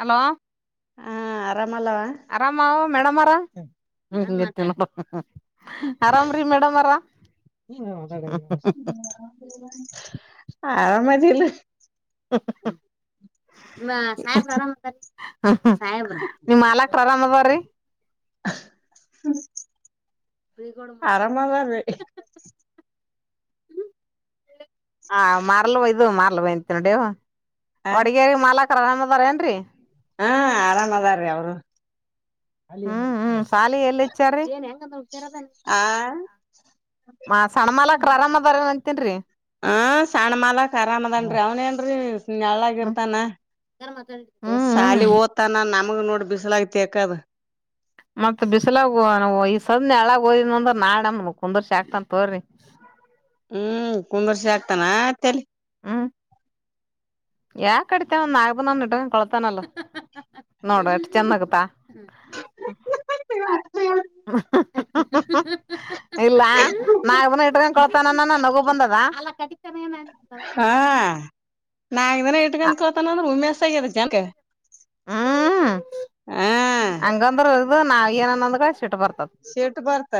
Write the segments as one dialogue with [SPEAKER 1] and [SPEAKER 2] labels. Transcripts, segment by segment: [SPEAKER 1] Hello.
[SPEAKER 2] ಹ ಆರಾಮಲ್ಲವಾ.
[SPEAKER 1] ಆರಾಮ ಅವ ಮೇಡಮ್ ಅರ. ಹ್ಮ [unintelligible] ಆರಾಮ್ರೀ ಮೇಡಮ್ ಅರ [unintelligible]
[SPEAKER 2] [unintelligible] ಆರಾಮ ಅದಿಲ್ಲ.
[SPEAKER 1] [unintelligible] ಆರಾಮ್ ಹ ಹ್ ನಿಮ್ ಮಾಲಾಕ್ರ ಆರಾಮ್ ಆದಾರಿ.
[SPEAKER 2] ಹ್ಮ
[SPEAKER 1] ಪ್ರಿಗೋಡ್ ಮಲ್ಲಿ [unintelligible] ಹ ಮಾರ್ಲ್ಯವ ಇದು ಮಾರ್ಲ್ವೆ ಅಂತೀನಿ ನೋಡೆಯವ
[SPEAKER 2] ಆ
[SPEAKER 1] ಒಡಗೇರಿ ಮಾಲಕ್ರ ಆರಾಮ್ ಅದರ ಏನ್ರಿ.
[SPEAKER 2] ಹಾ ಆರಾಮ್ ಅದಾರೀ ಅವ್ರು.
[SPEAKER 1] ಹ್ಮ್ ಹ್ಮ್ ಶಾಲಿ ಎಲ್ಲಿ ಹಚ್ಚಾರೀ [unintelligible]
[SPEAKER 2] ಆ
[SPEAKER 1] ಮಾ ಸಣ್ಣ ಮಾಲಕ್ರ ಆರಾಮ್ ಅದರೇನ್ ಅಂತಿನ್ರೀ.
[SPEAKER 2] ಹ ಸಣ್ಣ ಮಾಲಾಕ್ ಆರಾಮದನ್ರಿ ಅವ್ನೇಏನ್ರರಿ ನೆಳ್ಳಾಗ ಇರ್ತಾನ.
[SPEAKER 1] ಹ್ಮ ಹ್ಮ್
[SPEAKER 2] ಅಲ್ಲಿ ಓದ್ತಾನ ನಮಗ್ ನೋಡ ಬಿಸಲಾಗ ತೇಕದ.
[SPEAKER 1] ಮತ್ ಬಿಸಲಾಗ ಹೊ [unintelligible] ಈ ಸದ್ ನೆಳಗ್ ಓದಿನ ಅಂದ್ರ ನಾಳೆ ನಮ್ಮನ್ ಕುಂದೂರ್ಶ ಹಾಕ್ತಾನ್ ತೋರಿ.
[SPEAKER 2] ಹ್ಮ್ ಕುಂದರ್ಸೆ ಹಾಗ್ತಾನ ತೆಲಿ
[SPEAKER 1] ಹ್ಮ್. ಯಾಕ ಕಡಿತೇ ಒಂದ್ ನಾಗಪ್ಪಂದ ಒಂದ್ ಇಟ್ಟ ಕೊಳ್ತಾನಲ್ ನೋಡ ಎಷ್ಟ ಚೆಂದ ನಗತಾಳ.
[SPEAKER 2] [unintelligible]
[SPEAKER 1] [unintelligible] ಇಲ್ಲ ನಾಕ ದಿನ ಇಟ್ಟಕೊಂಡ ಇರ್ತನ ಅನನ ನಗು ಬಂದದ ಅಲ್ಲ ಕ
[SPEAKER 2] ಹಾ ನಾಕ್ ದಿನ ಇಟ್ಕೊಂಡ್ ಕಲತನ್ ಅಂದ್ರ ಉಮ್ಮೆಶ್ ಆಗ್ಯದ ಜಗ್ಗ.
[SPEAKER 1] ಹ್ಮ್
[SPEAKER 2] ಹಾ
[SPEAKER 1] ಹಂಗಂದ್ರ ಇದ ನಾವ ಏನನ್ನೊಂದ್ ಗ ಸಿಟ್ಟ ಬರ್ತದ.
[SPEAKER 2] ಸಿಟ್ಟ ಬರ್ತ.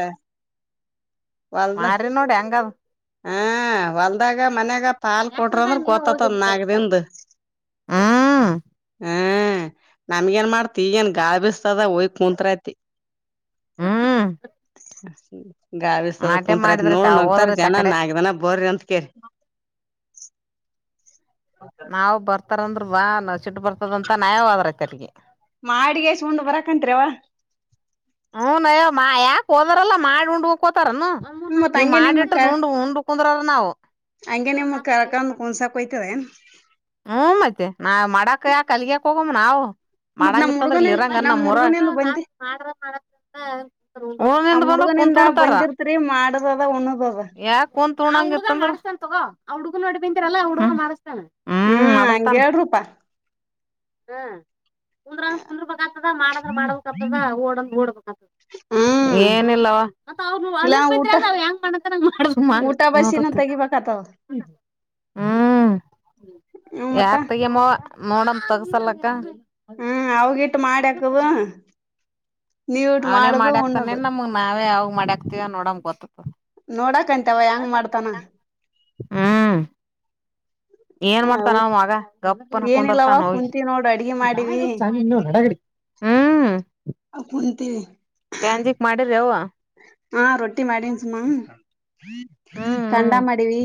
[SPEAKER 1] ಮಾರಿ ನೋಡ ಹೆಂಗದ.
[SPEAKER 2] ಹ ಹೊಲ್ದಾಗ ಮನ್ಯಾಗ ಪಾಲ್ ಕೊಟ್ರ ಅಂದ್ರ ಗೊತ್ತತದ ನಾಕದಿಂದ. [inaudible]
[SPEAKER 1] ಹ್ಮ್
[SPEAKER 2] ಹ್ಮ ನಮಗೆನ್ ಮಾಡ್ತಿ ಈಗೆನ್ ಗಾಳಿ ಬೀಸ್ತದ ಒಯ ಕುಂತ್ರತಿ.
[SPEAKER 1] ಹ್ಮ್
[SPEAKER 2] ಗಾಳಿ ಬಿಸ್ತದ
[SPEAKER 1] ಆಟೆ
[SPEAKER 2] ಕುಂತ್ರ ಆತ್
[SPEAKER 1] ಮಾಡಿದ್ರೈತೆ
[SPEAKER 2] ನೋಡ್
[SPEAKER 1] ಅವ
[SPEAKER 2] ನಗ್ತಾರ
[SPEAKER 1] ಹೋದ್ರೈತೆ ಆ
[SPEAKER 2] ಜನ
[SPEAKER 1] ಕಡೆ
[SPEAKER 2] ನಾಕ್ ದಿನ ಬರ್ರಿ ಅಂತ್ ಕೆ.
[SPEAKER 1] ನಾವ್ ಬರ್ತಾರಂದ್ರ ಬಾ ಅನ್ನ ಸಿಟ್ಟ ಬರ್ತದಂತ ನಾವೇ ಹೋದ್ರ ಆಯ್ತ್ ಅಲ್ಲಿಗಿ.
[SPEAKER 2] ಮಾಡಿಗೆಸಿ ಉಂಡ ಬರಕಂತ್ರಿರೆವ್ವ.
[SPEAKER 1] ಹ್ಮ್ ನಯ್ಯೋ ಮಾ ಯಾಕ ಹೋದಾರೆಲ್ಲಾ ಮಾಡಿ ಉಂಡುಕ್ ಹೋತಾರೆನಾ [unintelligible]
[SPEAKER 2] ಮತ್
[SPEAKER 1] ನೀವ್
[SPEAKER 2] ಹಂಗೆ ನಿಮ್
[SPEAKER 1] ಮಾಡ್
[SPEAKER 2] ಕ
[SPEAKER 1] ಇಟ್ಟಿದ ಉಂಡ್ ಉಂಡ ಕುಂದ್ರೋರ ನಾವ್.
[SPEAKER 2] ಹಂಗೆ ನಿಮ್ ಕರಕಂದ ಕುನ್ಸಾಕ್ ಓಯ್ತವೆನ್.
[SPEAKER 1] ಹ್ಮ ಮತ್ತೆ ನಾವ್ ಮಾಡಾಕ್ ಯಾಕ ಅಲಗ್ಯಕ್ ಹೋಗಮ್ ನಾವು.
[SPEAKER 2] ಮತ್ ನಮ್
[SPEAKER 1] ಮಾಡಂಗಿತ್ತ ಅಂದ್ರ
[SPEAKER 2] ಹುಡ್ಗನ
[SPEAKER 1] ಇಲ್ಲಿ ಇರಂಗನ್
[SPEAKER 2] ನಮ್
[SPEAKER 1] ನಮ್ಮ
[SPEAKER 2] ಹುಡ್ಗನಿಂದ ಬಂದಿ
[SPEAKER 1] [unintelligible] ಊಂದಿಂದ
[SPEAKER 2] ನಮ್
[SPEAKER 1] ಬಂದ್ರ ಕುಂತ
[SPEAKER 2] ಹುಡ್ಗನಿಂದ
[SPEAKER 1] ಬಿಡ್ತಾರ
[SPEAKER 2] ಬಂದಿರ್ತ್ರಿ ಮಾಡದದ ಉಣದದ
[SPEAKER 1] ಯಾಕ ಕುಂತ ಉನಂಗ ಇತ್ತ ಅಂದ್ರ [unintelligible]
[SPEAKER 2] ಹ್ಮ್
[SPEAKER 1] ಮಾಡಸ್ತಾನ
[SPEAKER 2] ಹಂಗೇಳ್ರಪಾ
[SPEAKER 1] ಹ್ಮ ಕುಂದ್ರ ಕುಂದ್ರಬೇಕಾಗ್ತದ ಮಾಡದ್ರ ಮಾಡಬೇಕ ಆಗ್ತದ ಓಡಂಗ ಓಡ್ಬೇಕಾಗತದ.
[SPEAKER 2] ಹ್ಮ್
[SPEAKER 1] ಏನಿಲ್ಲವಾ. ಮತ್ತ ಅವ್ರ
[SPEAKER 2] ಇಲ್ಲಾ
[SPEAKER 1] ಅನಿಲ್ ಬಿಟ್ರ
[SPEAKER 2] ಊಟ
[SPEAKER 1] ಅ ಹೆಂಗ [unintelligible]
[SPEAKER 2] ತ
[SPEAKER 1] ಹ್ಮ
[SPEAKER 2] ಹ್ಮ ಮತ್ತ
[SPEAKER 1] ಯಾಕ್ ತಗ ಮೋ ನೋಡನ್ ತಗಸಲ್ಲಕ್ಕ
[SPEAKER 2] ಹ್ಮ ಅವಗಿಟ್ಟ ಮಾಡ್ಯಕದ
[SPEAKER 1] ಅವನೇ ಮಾಡ್ಯಾಕ್ತಾನ
[SPEAKER 2] ಉಣ್ಣದು
[SPEAKER 1] ನಮ್ಗ ನಾವೇ ಯಾವಾಗ ಮಾಡ್ಯಾಕ್ತತಿವ ನೋಡಂಗ ಗೊತ್ತತ.
[SPEAKER 2] ನೋಡಕಂತವ ಹೆಂಗ್ ಮಾಡ್ತಾನ
[SPEAKER 1] ಹ್ಮ ಏನ್
[SPEAKER 2] ಹ
[SPEAKER 1] ಮಾಡ್ತಾನ ಅವ ಮಗ ಗಪ್ಪನ
[SPEAKER 2] ಏನಿಲ್ಲವ
[SPEAKER 1] ಕುಂದಾರ್ತನ ಹೋಗಿ
[SPEAKER 2] ಕುಂತೀವಿ ನೋಡ್ ಅಡ್ಗಿ ಮಾಡಿವಿ
[SPEAKER 1] [unintelligible] ಹ್ಮ
[SPEAKER 2] [unintelligible]
[SPEAKER 1] ಚಾಂಜಿಕ್ ಮಾಡಿರಿವ
[SPEAKER 2] ಹಾ ರೊಟ್ಟಿ ಮಾಡನ ಸುಮಾ
[SPEAKER 1] ಹ್ಮ್
[SPEAKER 2] ಖಂಡ
[SPEAKER 1] ಹ್ಮ್
[SPEAKER 2] ಮಾಡಿವಿ.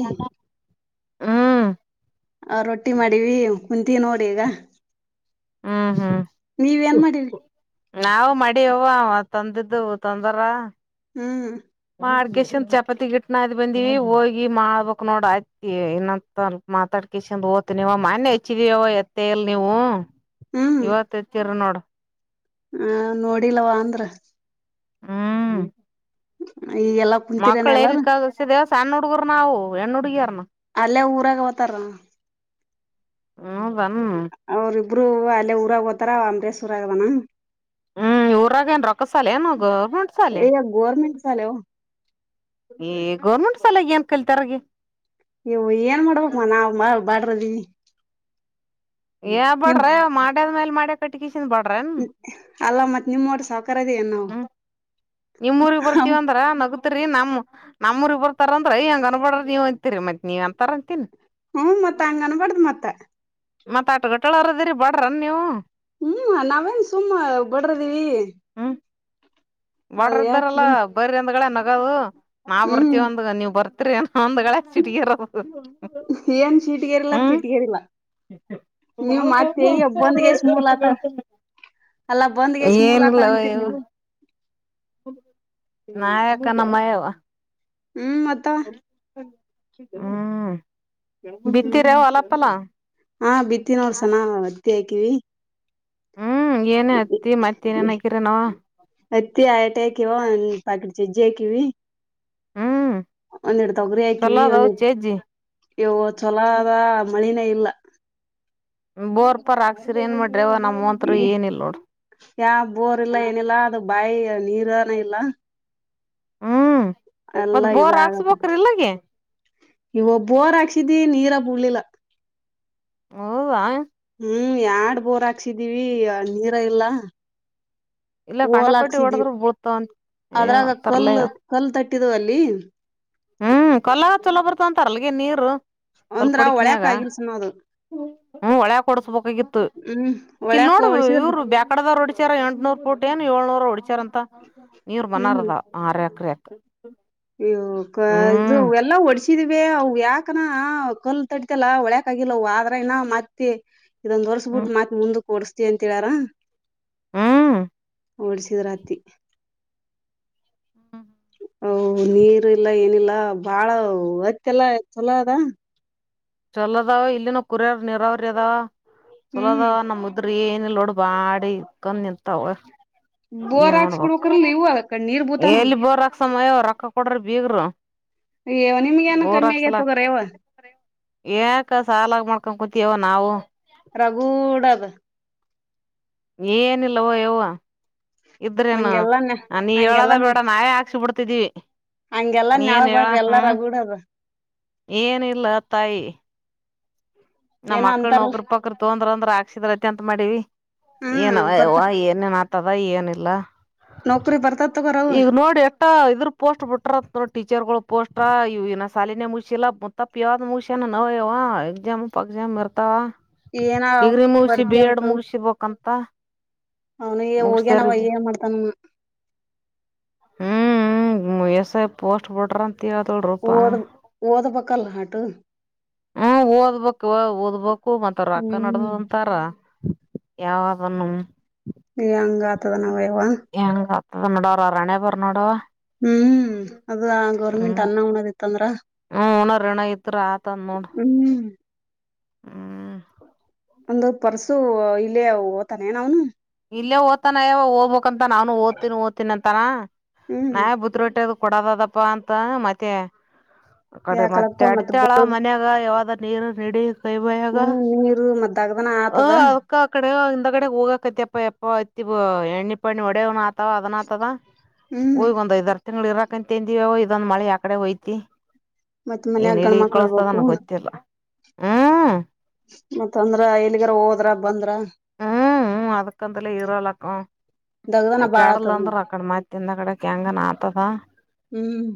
[SPEAKER 1] ಹ್ಮ್
[SPEAKER 2] ಆ ರೊಟ್ಟಿ ಮಾಡಿವಿ ಕುಂತೀ ನೋಡ ಈಗ.
[SPEAKER 1] ಹ್ಮ ಹಾ
[SPEAKER 2] ನೀವ್ ಏನ್ ಮಾಡಿರಿ
[SPEAKER 1] ನಾವು ಮಡಿ ಅವ ತಂದಿದ್ದು ತೊಂದರ
[SPEAKER 2] ಹ್ಮ
[SPEAKER 1] ಮಾಡಗೇಶನ್ ಚಪಾತಿಗ ಹಿಟ್ಟ ನಾದಿ ಬಂದಿವಿ ಹೋಗಿ ಮಾಡ್ಬಕ ನೋಡ ಆಯತಿ ಏನಂತ ಮಾತಾಡ ಕಸಿಂದ ಹೋತನವ ಮನ್ನೇ ಹಚ್ಚಿದೀವ ಎತ್ತ ಇಲ್ಲ ನೀವು.
[SPEAKER 2] ಹ್ಮ್
[SPEAKER 1] ಇವತ್ತ ಎತ್ತಿರ ನೋಡ.
[SPEAKER 2] ಆ ನೋಡಿಲ್ವ ಅಂದ್ರ.
[SPEAKER 1] ಹ್ಮ
[SPEAKER 2] ಈಗೆಲ್ಲ
[SPEAKER 1] ಮಕ್ಕಳ ಎಲ್ಲಿ ಕಲ್ಸಿದ ಸಣ್ಣ ಹುಡುಗರ್ನಾವು ಹೆಣ್ಣ ಹುಡಗಿಯಾರನ
[SPEAKER 2] ಅಲ್ಲೇ ಊರಾಗ ಹತಾರ
[SPEAKER 1] ಹೌದನ
[SPEAKER 2] ಅವ್ರಿಬ್ರು ಅಲ್ಲೇ ಊರಾಗ ಹೋತಾರ ಅಂಬ್ರೇಶ ಊರಾಗ ಆದಾನ.
[SPEAKER 1] ಹ್ಮ ಊರಾಗ ಏನ್ ರೊಕ್ಕಸಾಲ ಏನ ಗರ
[SPEAKER 2] ಎ ಗರ್ಮೆಟ್ ಸಾಲೆ
[SPEAKER 1] ಏ ಗೌರ್ಮೆಂಟ್ ಸಾಲಾಗಿ ಏನ್ ಕಲ್ತಾರಗೆ
[SPEAKER 2] ಇವ ಏನ್ ಮಾಡ್ಬೇಕ ಮನ ನಾವ್ ಬಾಡ್ರದಿ.
[SPEAKER 1] ಏ
[SPEAKER 2] ನಿಮ್
[SPEAKER 1] ಬಡ್ರ ಮಾಡ್ಯದ್ಮೇಲ ಮಾಡ್ಯ ಕಟ್ಟಿಕಸನ್ ಬಡ್ರ
[SPEAKER 2] ಅಲ್ಲ ಮತ್ ನಿಮ್ಮಟ ಸಾಹಕಾರ ಅದ ಏನ್ ನಾವು.
[SPEAKER 1] ನಿಮ್ಮ ಊರಿಗ್ ಬರ್ತಿವ ಅಂದ್ರ ನಗ ತ್ರಿ ನಮ್ಮ ನಮ್ಮಊರಿಬ್ಬರ್ತಾರ ಅಂದ್ರ ಅಯ್ಯ ಹಂಗ ಅನಬ್ಯಾಡ ನೀವ ಅಂತೀರಿ ಮತ್ತ ನೀವ್ ಅಂತಾರ ಅಂತೀನ
[SPEAKER 2] ಹ್ಮ ಮತ್ತ ಹಂಗ ಅನ್ಬಾರ್ದ ಮತ್ತ
[SPEAKER 1] ಮತ್ತತ ಆಟ ಗಟ್ಟಳರ ಅದ್ರರಿ ಬಡ್ರನ ನೀವು
[SPEAKER 2] ಹ್ಮ ನಾವೇನ್ ಸುಮ್ಮ ಬಡ್ರದೀವಿ.
[SPEAKER 1] ಹಾ ಬಡ್ರ ಇದ್ದಾರಲ್ಲಾ ಬರಿ ಒಂದ್ಗಳೇ ನಗದು ನಾ
[SPEAKER 2] ಹ್ಮ್
[SPEAKER 1] ಬರ್ತಿವ ಒಂದ ನೀವ್ ಬರ್ತಿರಿ ಏನ ಒಂದ್ಗಳೆ ಸಿಟಿಗೆರ [unintelligible]
[SPEAKER 2] ಏನ್
[SPEAKER 1] [inaudible]
[SPEAKER 2] ಶೀಟ್ಗೇರಿಲ್ಲ
[SPEAKER 1] ಹ್ಮ್
[SPEAKER 2] ಪಿಟ್ಗೇರಿಲ್ಲ
[SPEAKER 1] ಮಾ
[SPEAKER 2] ನೀವ್
[SPEAKER 1] ಉ
[SPEAKER 2] ಮತ್ತೆ ಬಂದ್ಗೆಸ್ ಮೂಲತ
[SPEAKER 1] [unintelligible]
[SPEAKER 2] ಅಲ್ಲಾ ಬಂದ್ಗೆಸ್ ಮೂಲತ ಅಂತೀರಿ
[SPEAKER 1] ಏನುಲ್ಲಇವ್
[SPEAKER 2] ನೀವು
[SPEAKER 1] ನಾಯಕ ನಮ್ಮಯವ್ವ
[SPEAKER 2] ಹ್ಮ್ ಮತ್ತ
[SPEAKER 1] ಹ್ಮ್
[SPEAKER 2] ಹ್ಮ್
[SPEAKER 1] ಬಿತ್ತಿರೆವು ಅಲ್ಲಪ್ಪಲ್ಲ
[SPEAKER 2] ಹಾ ಬಿದ್ದಿ ನೋಡ್ ಸನ್ನ ಹತ್ತಿ ಹಾಕಿವಿ
[SPEAKER 1] ಹ್ಮ್ ಏನ ಹತ್ತಿ ಮತ್ತ್ ಏನೇನ್ ಹಾಕಿರ ನಾವ್
[SPEAKER 2] ಅತ್ತಿ ಆಯಟ [unintelligible] ಹಕಿವ ಪಾಕಿಡಿ ಚಜ್ಜ ಹಾಕಿವಿ
[SPEAKER 1] ಹ್ಮ್
[SPEAKER 2] ಒಂದೆಡ್ ತೊಗರಿ
[SPEAKER 1] ಚಲೋ
[SPEAKER 2] ಹಾಕಿವಿ
[SPEAKER 1] ಅದವ್
[SPEAKER 2] ಒಂದೆಡ್
[SPEAKER 1] ಚೇಜ್ಜಿ
[SPEAKER 2] ಇವು ಚಛೊಲದ ಮಳಿನೇ ಇಲ್ಲ
[SPEAKER 1] ಬೋರ್ ಪರ್ ಹಾಕ್ಸಿರಿ ಏನ್ ಮಾಡ್ರವ ನಮ್ಮ್ಂತ್
[SPEAKER 2] ಈ
[SPEAKER 1] ಏನಿಲ್ಲ ನೋಡ್
[SPEAKER 2] ಯಾ ಬೋರ್ ಇಲ್ಲ ಏನಿಲ್ಲ ಅದು ಬಾಯಿ ನೀರನೆ ಇಲ್ಲ
[SPEAKER 1] ಹ್ಮ್ ಮತ್ತ
[SPEAKER 2] ಎಲ್ಲಾ ಇದ
[SPEAKER 1] ಬೋರ್
[SPEAKER 2] ಆಗಕತ್ತ
[SPEAKER 1] ಹಾಕ್ಸ್ಬೇಕ್ರಿ ಇಲ್ಲಗೆ
[SPEAKER 2] ಇವ ಒಬ್ಬೋರ್ ಹಾಕ್ಸಿದೀವಿ ನೀರ ಬುಡ್ಲಿಲ್ಲ
[SPEAKER 1] ಓವಾ
[SPEAKER 2] ಹ್ಮ್ ಯಡ್ ಬೋರ್ ಹಾಕ್ಸಿದೀವಿ ನೀರ ಇಲ್ಲ
[SPEAKER 1] ಇಲ್ಲ
[SPEAKER 2] ಹೋಲ
[SPEAKER 1] ಕಂಡಪಟ್ಟಿ
[SPEAKER 2] ಹಾಕ್ಸಿದೀ
[SPEAKER 1] ಹೊಡದ್ರ ಬೀಳ್ತಾವಂತ ಏ
[SPEAKER 2] ಅದ್ರಾಗ
[SPEAKER 1] ತರ್ಲೆಯ
[SPEAKER 2] ಕೊಲ್ಲತ್ ಒಂದು ತಟ್ಟಿದ್ವ ಅಲ್ಲಿ
[SPEAKER 1] ಹ್ಮ್ ಕೊಲ್ಲ ಚೊಲೋ ಬರ್ತ ಅಂತಾರ ಅಲ್ಗೆ ನೀರು
[SPEAKER 2] ಒಂದ್ರ ಒಳಯಕ್ ಇಳಿಸಿನೋದು
[SPEAKER 1] ಹ್ಮ ಒಳೆ ಕೊಡ್ಸ್ಬೇಕಾಗಿತ್ತು
[SPEAKER 2] ಹ್ಮ್
[SPEAKER 1] ಇಲ್ಲಿ
[SPEAKER 2] ಒಳ್ಯಾಕ
[SPEAKER 1] ನೋಡು
[SPEAKER 2] ಹೊಡ್ಸಿದ್ರ
[SPEAKER 1] ಇವರು ಬ್ಯಾೇಕಡದ ರೋಡ್ ಹಚಾರ ಎಂಟ್ನೂರ್ ಪುಟ ಏನ್ ಏಳ್ನೂರ ಹುಡ್ಕ್ಯಾ ರ್ ಅಂತ ನೀರ್ ಮನಾರದ ಆರ್ ಎಕರೆ ಇತ್
[SPEAKER 2] ಇವ್ ಕ ಇದು ಎಲ್ಲ ಓಡ್ಸ ಹಚ್ಚಿದ್ವಿ [unintelligible] ಅವು ಯಾಕನಾ ಕಲ್ ತಡತಲ್ಲ ಒಳ್ಯಕ ಆಗಿಲ್ಲ ಅವ ಆದ್ರ ನ ಮತ್ತೆ ಇದೊಂದ
[SPEAKER 1] ಹ್ಮ್
[SPEAKER 2] ಹೊರ್ಸ್ಬಿಟ್ಟು ಮಾತ್ ಮುಂದಕ್ ಓಡ್ಸ್ತಿ ಅಂತ ಹೇಳಾರ
[SPEAKER 1] ಹ್ಮ್
[SPEAKER 2] ಹೊಡ್ಸಿದ್ರೆ ಹತಿ ಹೊ ನೀರುಲ್ಲ ಏನಿಲ್ಲ ಬಾಳ ಹತ್ ಎಲ್ಲಾ ಚಲೋ ಅದ
[SPEAKER 1] ಚಲೋದ ಇಲ್ಲಿನ ಕುರ್ಯಾರ ನೀರಾವರಿ ಅದ ಚಲೋದ
[SPEAKER 2] ಹ್ಮ್
[SPEAKER 1] ನಮ್ ಮುದ್ ಅ್ರ ಏನಿಲ್ಲ ನೋಡ್ ಬಾಡಿ ಇಕೊಂಡ್ ನಿಂತಾವ
[SPEAKER 2] ಬೋರ್
[SPEAKER 1] ಏನ್ ನೋಡ್ಬೇಕ
[SPEAKER 2] ಹಾಕ್ಸ್ಬಿಡ್ಬೇಕ್ರಲ್ ಇವು ಅದಕ್ಕ ನೀರ್ ಬೂತಾನ.
[SPEAKER 1] ಎಲ್ಲಿ ಬೊರಕ್ಸಮೇ ರೊಕ್ಕ ಕೊಡ್ರ ಬೀಗರು
[SPEAKER 2] ಅಯ್ಯೋ ನಿಮ್ಗೆ ಏ ಕಮ್ಮಿ ಐತದ್ರೆ ಯವ್ವ್
[SPEAKER 1] ಯಾಕ ಸಾಲ ಮಾಡ್ಕೊಂಡ್ ಕುಂತೀವಿ ನಾವು
[SPEAKER 2] ರಘುಡಗ್
[SPEAKER 1] ಏನಿಲ್ಲವೋ ಯವ್ವ ಇದ್ರೇನು
[SPEAKER 2] ಹಂಗೆಲ್ಲಾ ನ
[SPEAKER 1] ನೀ ಹೇಳದ
[SPEAKER 2] ಹಂಗೆಲ್ಲಾ
[SPEAKER 1] ಬೇಡ ನಾವೇ ಹಾಕ್ಸಿ ಬಿಡ್ತಿದ್ದೀವಿ
[SPEAKER 2] ಹಂಗೆಲ್ಲಾ ನೆಗ್ಬಡ್ರಿ ಎಲ್ಲಾ ರಗೂಡಗು
[SPEAKER 1] ಏನಿಲ್ಲ ತಾಯಿ ನಮ್ಮ್
[SPEAKER 2] ಏನೋ
[SPEAKER 1] ಮಕ್ಳ
[SPEAKER 2] ಅಂತಾರಲ್ಲ
[SPEAKER 1] ನೋಕ್ರ ಪಕ್ರ ತೊಂದ್ರ ಅಂದ್ರ ಆಾಸಿದ್ರತಿ ಅಂತ ಮಾಡಿವಿ ಏನವ
[SPEAKER 2] ಹ್ಮ್ ಬರ್ತ
[SPEAKER 1] ಯವ್ವ ಇನ್ನನ್ [unintelligible] ಆತದ ಏನಿಲ್ಲ
[SPEAKER 2] ನೌಕ್ರಿ ಬರ್ತದ್ ತಗೋರಿ ಅವು
[SPEAKER 1] ಈಗ ನೋಡಿ ಇದ್ರ ಪೋಸ್ಟ್ ಬಿಟ್ರಂತ ಟೀಚರ್ ಗಳು ಪೋಸ್ಟ್ ಇ ಸಾಲಿನ ಮುಗ್ಸಿಲ್ಲ ತಪ್ಪು ಯಾವ್ದ್ ಮುಗಷ್ಯಾನ ನೋಯವ್ವ ಎಕ್ಸಾಮ್ ಪಕ್ಸಾಮ್ ಇರ್ತಾವ
[SPEAKER 2] ಏನ ಅವ್ನು
[SPEAKER 1] ಡಿಗ್ರಿ ಮುಗಸಿ
[SPEAKER 2] ಬರ್ತಿ
[SPEAKER 1] ಬಿ ಎಡ್ ಮುಗಸ ಬಕ್ಂತ
[SPEAKER 2] ಅವನು ಹೋಗ್ಯನಾವ್ಯ್ಯಏ ಮಾಡ್ತಾನ
[SPEAKER 1] ಹ್ಮ್ ಹ್ಮ್ ಎಸ್ ಐ ಪೋಸ್ಟ್ ಬುಟ್ಟಾರಂತ ಹೇಳ್ತಾರಪ್ಪ
[SPEAKER 2] ಓದ ಬೇಕಲ್ಲ ಹಾಟು
[SPEAKER 1] ಹ್ಮ ಓದ್ಬೇಕವ ಓದ್ಬೇಕು ಮತ್ತ ರೊಕ್ಕ
[SPEAKER 2] ಹ್ಮ್
[SPEAKER 1] ನಡ್ದದಂತಾರ. ಯಾವಾಗ [unintelligible]
[SPEAKER 2] ಯಂಗ್ ಆತದ ನಾವ್ ಯವ್ವ.
[SPEAKER 1] ಹೆಂಗ್ ಆತದ ನೋಡವ್ರ ಅವ್ರ್ ಹಣೆಬರ ನೋಡವ.
[SPEAKER 2] ಹ್ಮ್ ಅದ
[SPEAKER 1] ಹ್ಮ್
[SPEAKER 2] ಗೌರ್ಮೆಂಟ್ ಅನ್ನ ಉಣೋದಿತ್ತಂದ್ರ
[SPEAKER 1] ಹ್ಮ್ ಉಣೊ ಋಣ ಇದ್ರೆ ಆತದ ನೋಡ್.
[SPEAKER 2] ಹ್ಮ್
[SPEAKER 1] ಹ್ಮ್
[SPEAKER 2] ಒಂದ ಪರ್ಸು ಇಲ್ಲೇ ಅವು ಹೊತಾನೆನೂ ಅವನು.
[SPEAKER 1] ಇಲ್ಲೇ ಓದ್ತಾನ ಯವ ಹೊಬಂಕ್ ಅಂತ ನಾನನು ಓದ್ತಿನಿ ಓದ್ತೀನಿ ಅಂತಾನ
[SPEAKER 2] ಹ್ಮ್
[SPEAKER 1] ನಾವೇ ಬುದ ಹೊಟ್ಟದ ಕೊಡದದಪ್ಪ ಅಂತ ಮತ್ತೆ ಕಡೆ ಮತ್ತೆ
[SPEAKER 2] ಯಾಕಲಕ್ಕ ಮತ್
[SPEAKER 1] ಅಡ್ತಾಳ ಮನ್ಯಾಗ ಯಾವದ ನೀರು ರೆಡಿ ಕೈಬಾಗ
[SPEAKER 2] ಹ್ಮ್ ನೀರು ಮತ್ ದಗ್ದನ
[SPEAKER 1] ಹ..
[SPEAKER 2] ಆತದ.
[SPEAKER 1] ಅಕ್ಕಾ ಆ ಕಡೆ ಹಿಂದ ಕಡೆ ಹೋಗಕತಿಪ್ಪ ಎಪ್ಪ ಐತಿ ಎಣ್ಣೆ ಪಣ್ಣ ಒಡೆ [unintelligible] ಆ ಅದನ ಆತದ
[SPEAKER 2] ಹ್ಮ್
[SPEAKER 1] ಒಯ್ಗ ಒಂದ್ ಐದ್ರ ತಿಂಗಳು ಇರಾಕಂತಂದಿವಿ ಇದೊಂದ್ ಮಳೆ ಯವ್ಕಡೆ ಹೋಯ್ತಿ...
[SPEAKER 2] ಮತ್
[SPEAKER 1] ಏನ್
[SPEAKER 2] ಮನ್ಯಾಗ ಗಂಡ
[SPEAKER 1] ಎಲ್ಲಿ
[SPEAKER 2] ಮಕ್ಳ ಇರ್ಬೇಕು
[SPEAKER 1] ಕಳಸ್ತದನ್ ಗೊತ್ತಿಲ್ಲ ಹ್ಮ್
[SPEAKER 2] ಮತ್ತ್ ಅಂದ್ರ ಎಲ್ಗಾರ ಹೋದ್ರ ಬಂದ್ರ?
[SPEAKER 1] ಹ್ಮ್ ಹು ಅದಕ್ಕಂತಲ ಇರೋಲಕ್ಕ
[SPEAKER 2] ದಗದನ ಬಾಳ
[SPEAKER 1] ಕೆಡಲ್
[SPEAKER 2] ಆತದ
[SPEAKER 1] ಅಂದ್ರ
[SPEAKER 2] ಮತ್
[SPEAKER 1] ಅಕಡೆ ತಿಂದ ಕಡೆಕೆ ಹೆಂಗಾನ ಆಯ್ತದ
[SPEAKER 2] ಹ್ಮ್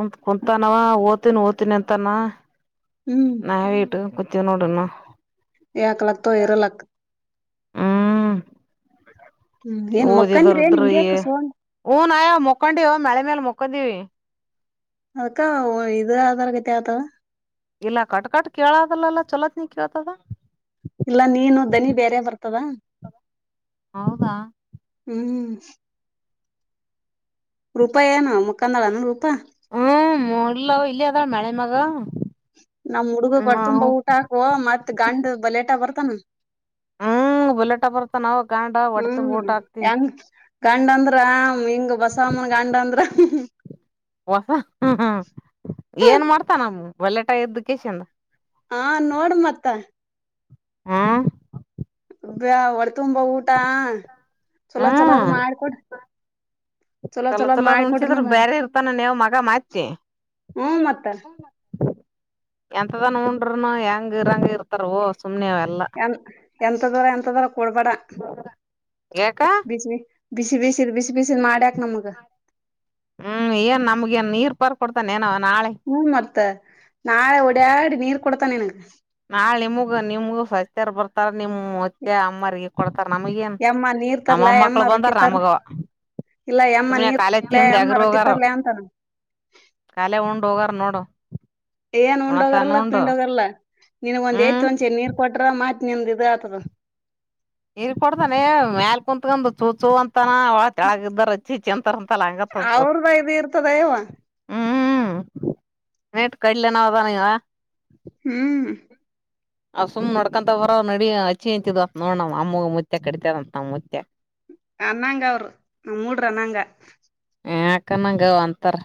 [SPEAKER 1] ಉಡ್ಡ್ ಕುಂತಾನವ ಹೋತೀನಿ ಹೋತೀನಿ ಅಂತಾನ.
[SPEAKER 2] ಹ್ಮ್
[SPEAKER 1] ನಾವ್ ಇಟ್ಟನ್ ಕುತ್ತೀವಿ [unintelligible]
[SPEAKER 2] ಯಾಕ್ ಲಕ್ತೋ ಎರಲ್ ಲಕ್ಕ
[SPEAKER 1] ಹ್ಮ್
[SPEAKER 2] ಹ್ಮ್ ಏನ್ ಮಕ್ಕಂದ್ರ ಏನ್
[SPEAKER 1] ಓದರ್ದ್ರೀ ಎ
[SPEAKER 2] ಹಿಂಗ್ಯಾಕ ಸೋಂಡ್
[SPEAKER 1] ಹೂನ್ಯ ಮಕೊಂಡಿವ ಮಳಿ ಮೇಲ್ ಮಕ್ಕೊಂಡಿವಿ.
[SPEAKER 2] ಅದಕ್ಕ ಹೊ ಇದು ಅದಾರಗತಿ ಆತವಾ.
[SPEAKER 1] ಇಲ್ಲ ಕಟ್ ಕಟ್ ಕೇಳದಲ್ಲಲ್ಲಾ ಚೊಲೋತ್ಗ್ ಕೇಳ್ತದ.
[SPEAKER 2] ಇಲ್ಲ ನೀನು ದನಿ ಬೇರೆ ಬರ್ತದ
[SPEAKER 1] ಹೌದಾ
[SPEAKER 2] ಹ್ಮ್. ರೂಪಾಯ ಏನು ಮುಖಾಂದಾಳೇನು ರೂಪಾ?
[SPEAKER 1] ಹ್ಮ [unintelligible] [unintelligible] ಇಲ್ಲಿ ಆದಳಾ ಮಾಳೆ ಮಗ.
[SPEAKER 2] ನಮ್ ಹುಡ್ಗಗ ಹೊಟ್ತುಂಬಾ
[SPEAKER 1] ನಾವು
[SPEAKER 2] ಊಟ ಹಾಕು ಮತ್ ಗಂಡ್ ಲೇಟಾಗಿ ಬರ್ತಾನ.
[SPEAKER 1] ಹ್ಮ್ ಬುಲೆಟ ಬರ್ತಾನ ನಾವ್ ಗಾಂಡ
[SPEAKER 2] ಹ್ಮ್
[SPEAKER 1] ಹೊಡಿತುಂಬ ಊಟ ಹಾಕ್ತಿವಿ
[SPEAKER 2] ಹೆಂಗ್ ಗಂಡ ಅಂದ್ರ ಹಿಂಗ ಬಸವಮ್ಮನ ಗಂಡ ಅಂದ್ರ
[SPEAKER 1] ಹೊಸ ಹ್ಮ ಏನ್ ಮಾಡ್ತಾನ ಅವ್ನು ಒಳ್ಳೆಟ ಎಜುಕೇಶನ್?
[SPEAKER 2] ಹಾ ನೋಡು ಮತ್ತ.
[SPEAKER 1] ಹ್ಮ್
[SPEAKER 2] ಬ್ಯಾ ಹೊಟ್ತುಂಬಾ ಊಟ ಚಲೋ ಚಲೋ ಅದ್ ಮಾಡಬುಟ್
[SPEAKER 1] ಚಲೋ ಚಲೋದ್ ಉನಸಿದ್ರೆ ಬ್ಯಾರೆ ಇರ್ತಾನೇನೋ ಮಗ [unintelligible]
[SPEAKER 2] ಹ್ಮ ಮತ್ತ.
[SPEAKER 1] ಎಂತದಾನ ಉಣ್ಣದ್ರುನು ಹೆಂಗ ಇರಂಗ ಇರು ತಾರೋ ಸುಮ್ನೆ ಅವೆಲ್ಲ.
[SPEAKER 2] ಎಂ ಎಂತದರ ಎಂತದರ ಕೊಡ್ಬ್ಯಾಡ
[SPEAKER 1] ಯಾಕ?
[SPEAKER 2] ಬಿಸಿ ಬಿಸಿ ಬಿಸಿದ ಬಿಸಿ ಬಿಸಿದ್ ಮಾಡ್ಯಾಕ್ ನಮ್ಗ್.
[SPEAKER 1] ಹ್ಮ್ ಏನ್ ನಮ್ಗೆನ್ ನೀರ್ ಪರ್ ಕೊಡ್ತಾನೇನವ ನಾಳೆ
[SPEAKER 2] ಹ್ಮ ಮತ್ತ ನಾಳೆ ಒಡ್ಯಾಡಿ ನೀರ್ ಕೊಡ್ತನೇನಾ?
[SPEAKER 1] ನಾಳೆ ನಿಮಗ ನಿಮಗು [unintelligible] ಬರ್ತಾರ ನಿಮ್ ಹೊತ್ತೆ ಅಮ್ವ್ರಗೆ. ಕೊಡ್ತಾರ ನಮಗ ಏನ್
[SPEAKER 2] ಯಮ್ಮ ನೀರ್ ತರ್ಲಾ
[SPEAKER 1] ನಮ್ಮಮ್ಮಕ್ಳು
[SPEAKER 2] ಯಮ್ಮ
[SPEAKER 1] ಬಂದಾರ
[SPEAKER 2] ರೊಟ್ಟಿ ತರ್ಲ
[SPEAKER 1] ನಮಗ ಗವ್ವ
[SPEAKER 2] ಇಲ್ಲ ಯಮ್ಮ
[SPEAKER 1] ಸುಮನೆ
[SPEAKER 2] ನೀರ್
[SPEAKER 1] ಕಾಲೇಜ
[SPEAKER 2] ತರ್ಲ್ಯಾ
[SPEAKER 1] ಕಿಂದ
[SPEAKER 2] ಯಮ್ಮ ರೊಟ್ಟಿ
[SPEAKER 1] ಹೋಗೋವರು
[SPEAKER 2] ತರ್ಲ್ಯಾ ಅಂತಾನ
[SPEAKER 1] ಕಾಲೆ ಉಂಡು ಹೋಗಾರ ನೋಡು
[SPEAKER 2] ಏನ್
[SPEAKER 1] ಉಣತಾನ
[SPEAKER 2] ಉಂಡೋಗರಲ್ಲ
[SPEAKER 1] ಉಂಡು
[SPEAKER 2] ಪಿಂಡೋಗರ್ಲ್ಲಾ ನಿನ್ಗ್ ಒಂದ್ ಯತ್
[SPEAKER 1] ಹ್ಮ್
[SPEAKER 2] ಒಂದಚೆ ನೀರ್ ಕೊಟ್ರ ಮತ್ ನಿಂದಿ ನಿಂದಾ ಇದ ಆತಾದ
[SPEAKER 1] ಇ ಕೊಡ್ತಾನೆ ಮೇಲ್ ಕುಂತ್ಕಂದ್ ಚೂಚೂ ಅಂತಾನ ಒಳಗ ಕೆಲಾಗ ಇದುರ್ ಚಿ ಚಂತರ ಅಂತಲ್ಲ ಹಂಗತ್ತದ
[SPEAKER 2] ಅವ್ರದ ಇದ ಇರ್ತದ ಯವ್ವ
[SPEAKER 1] ಹ್ಮ್ ನೇಟ್ ಕಡ್ಲೆ ಏನ ಅದನ್ನವ್ವ
[SPEAKER 2] ಹ್ಮ್
[SPEAKER 1] ಅ ಸುಮ್ ನಡ್ಕಂತ ಬರ ನಡಿ ಅಚ್ಚಿಂಂತಿದ್ ನೋದ ನಮ್ಮ ಅಮ್ಮ ಮುತ್ತೇ ಕರಿತನಂತ ಅಂತ ನಮ್ಮ್ ಮುತ್ಯಾ
[SPEAKER 2] ಅನ್ನಂಗ ಅವರು ನಮ್ಮ ಮೂಡ್ರ ಅನ್ನಂಗ
[SPEAKER 1] ಯಕ ನಂಗ ಅವು ಅಂತಾರ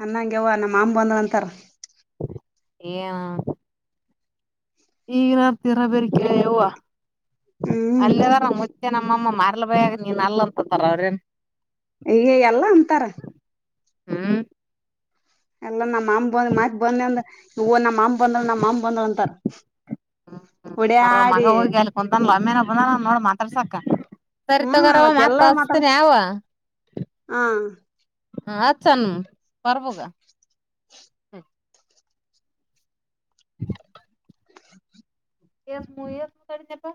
[SPEAKER 2] ನನಂಗ ಯವ್ವ ನಮ್ಮ ಮಾಮ್ಮ ಬಂದನ ಅಂತಾರ
[SPEAKER 1] ಯಾ ಈಗನ ತಿರಬೇರ್ಕ ಯಾವ್ವ
[SPEAKER 2] ಹ್ಮ್
[SPEAKER 1] ಅಲೇರ ನಾಮ್ ಮುತ್ಯಾ ಮತ್ತೆ ನಮ್ಮಮ್ಮ ಮ ಬಗ ನೀನ್ ಅಲ್ಲ ಅಂತಅತಾರ ಅವ್ರೇನ್
[SPEAKER 2] ಈಗ ಎಲ್ಲಾ ಅಂತಾರ
[SPEAKER 1] ಹ್ಮ್
[SPEAKER 2] ಎಲ್ಲಾ ನಮ್ಮ್ ಬಂದ್ ಮಾಕ್ ಬಂದ ಅಂದ ಇ ನಮ್ಮ್ ಮಾಮ್ಮ ಬಂದವ ನಮ್ಮ್ ಅಮ್ಮ ಬಂದವ ಅಂತಾರ [inaudible]
[SPEAKER 1] ಸರ ಮಗ ಹೋಗಿ ಅಲ್ಲಿ ಕುಂತಂದ ಒಮ್ಮೇನಬನ ನೋಡ್ ಮಾತಾಡ ಸಾಕ
[SPEAKER 2] ಹ್ಮ್
[SPEAKER 1] ಸರಿತಿಗೊರವ್ವ
[SPEAKER 2] ಮತ್ತೆಲ್ಲಾರ ಮಾತಾಡ್
[SPEAKER 1] ಮತ್ತತಪ್ಸತಿನರಿ ಯೌವ
[SPEAKER 2] ಹಾ
[SPEAKER 1] ಹ ಹಚ್ಚ ಅನ ಪರ್ಭುಗ [inaudible] ಎಸ್ ಮೂವೀ ನಡದಿನಕ್ಕ